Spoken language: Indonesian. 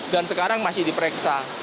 dan sekarang masih diperiksa